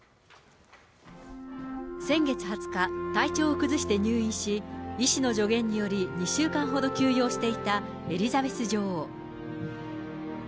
先月２０日、体調を崩して入院し、医師の助言により２週間ほど休養していたエリザベス女王。